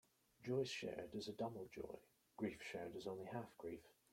Joy shared is double joy; grief shared is only half grief.